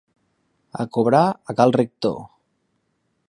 A cobrar, a cal rector!